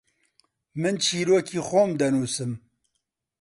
من چیرۆکی خۆم دەنووسم.